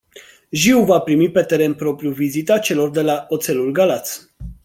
Jiu va primi pe teren propriu vizita celor de la Oțelul Galați.